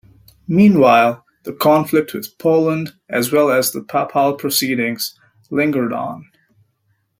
Meanwhile, the conflict with Poland as well as the papal proceedings lingered on.